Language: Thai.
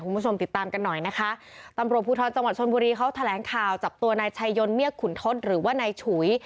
คุณผู้ชมติดตามกันหน่อยนะคะตำรวจภูทรจังหวัดชนบุรีเขาแถลงข่าวจับตัวนายชัยยนเมียกขุนทศหรือว่านายฉุย